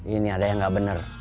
ini ada yang nggak benar